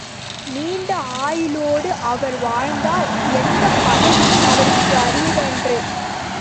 நீண்ட ஆயுளோடு அவர் வாழ்ந்தால், எந்தப் பதவியும் அவருக்கு அரியதன்று.